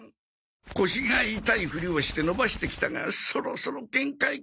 腰が痛いふりをして延ばしてきたがそろそろ限界か。